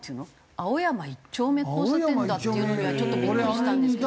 青山一丁目交差点だっていうのにはちょっとビックリしたんですけど。